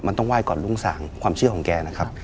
มันต้องไห้ก่อนรุ่งสางความเชื่อของแกนะครับ